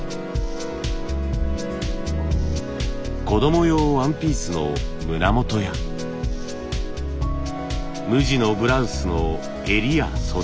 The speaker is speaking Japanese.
子供用ワンピースの胸元や無地のブラウスの襟や袖。